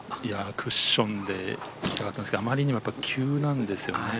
クッションで行きたかったんですけどあまりにも急なんですよね。